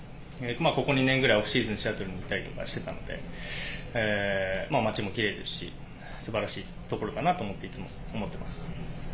ここ２年ぐらいオフシーズンはシアトルに来てたりしてたので街も奇麗ですし素晴らしいところだなといつも思っています。